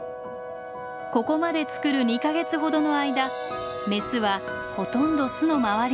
ここまで作る２か月ほどの間メスはほとんど巣の周りにいました。